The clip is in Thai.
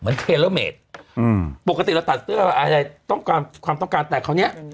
เทเลอร์เมดอืมปกติเราตัดเสื้ออะไรต้องการความต้องการแต่คราวเนี้ย